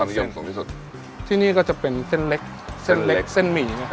ภาพิเยี่ยมสูงที่สุดที่นี่ก็จะเป็นเส้นเล็กเส้นเล็กเส้นหมี่นะครับ